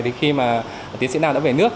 thì khi mà tiến sĩ nam đã về nước